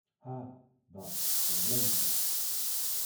Ah ! ben… en v’là une chance !